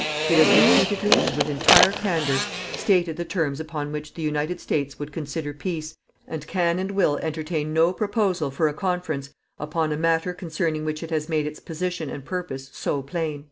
It has repeatedly and with entire candor stated the terms upon which the United States would consider peace and can and will entertain no proposal for a conference upon a matter concerning which it has made its position and purpose so plain.'